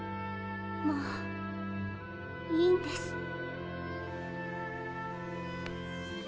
もういいんです。